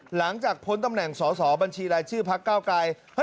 หลังจากพ้นตำแหน่งสอสอบัญชีรายชื่อพักเก้าไกร